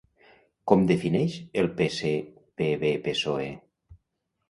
Com defineix el PSPV-PSOE?